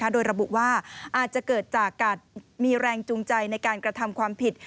โดยระบุว่าอาจจะเกิดจากการมีแรงจูงใจในการกระทำความผิด